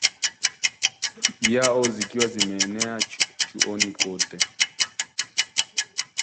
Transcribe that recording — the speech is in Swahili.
yao zikiwa zimeenea chuoni kote